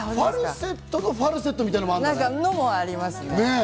ファルセットのファルセットみたいなのもあるね。